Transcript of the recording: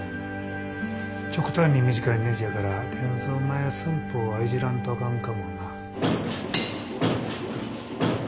極端に短いねじやから転造前寸法はいじらんとあかんかもな。